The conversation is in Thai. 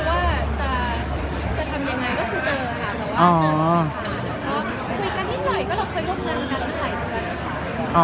เราเคยร่วมเงินกันถ่ายเทือน